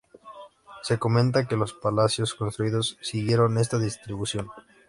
Se comenta que los palacios construidos siguieron esta distribución.